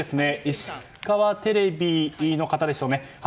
石川テレビの方でしょうね。